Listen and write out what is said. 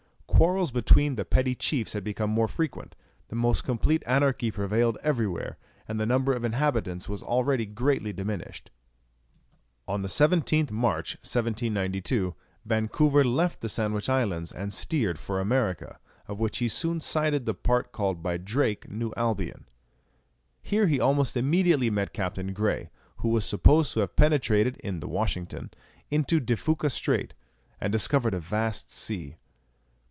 Quarrels between the petty chiefs had become more frequent, the most complete anarchy prevailed everywhere, and the number of inhabitants was already greatly diminished. [Illustration: Map of the two Americas.] On the 17th March, 1792, Vancouver left the Sandwich Islands and steered for America, of which he soon sighted the part called by Drake New Albion. Here he almost immediately met Captain Grey, who was supposed to have penetrated, in the Washington, into De Fuca Strait, and discovered a vast sea.